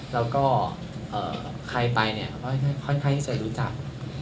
แล้วก็ใครไปเนี่ยก็ค่อนข้างที่จะรู้จัก